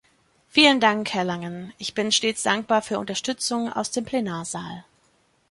Vielen Dank, Herr Langen, ich bin stets dankbar für Unterstützung aus dem Plenarsaal.